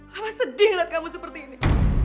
mama sedih ngeliat kamu seperti ini